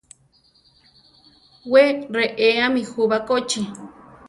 Wé reéami jú bakóchi.